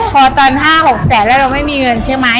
พอตอน๕๖แสนแล้วเราไม่มีเงินใช่ไหม